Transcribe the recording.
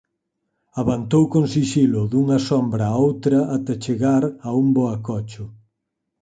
avantou con sixilo dunha sombra á outra até chegar a un bo acocho.